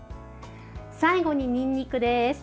最後に、にんにくです。